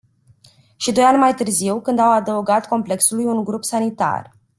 Și doi ani mai târziu, când au adăugat complexului un grup sanitar.